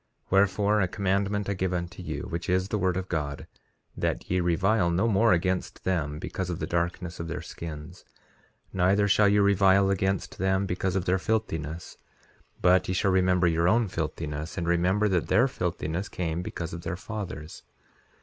3:9 Wherefore, a commandment I give unto you, which is the word of God, that ye revile no more against them because of the darkness of their skins; neither shall ye revile against them because of their filthiness; but ye shall remember your own filthiness, and remember that their filthiness came because of their fathers.